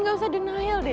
gak usah denial deh